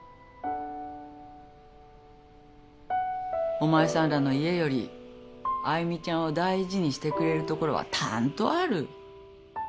お前さんらの家より愛魅ちゃんを大事にしてくれるところはたんとある。